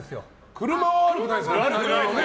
車は悪くないですからね。